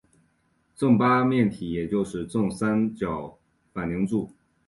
正八面体也是正三角反棱柱。